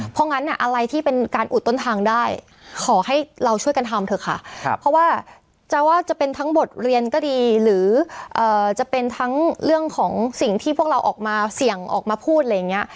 เพราะงั้นอะไรที่เป็นการอุดต้นทางได้ขอให้เราช่วยกันทำเถอะค่ะเพราะว่าจะว่าจะเป็นทั้งบทเรียนก็ดีหรือจะเป็นทั้งเรื่องของสิ่งที่พวกเราออกมาเสี่ยงออกมาพูดอะไรอย่างนี้